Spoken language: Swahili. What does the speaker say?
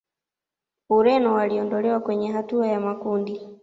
Ureno waliondolewa kwenye hatua ya makundi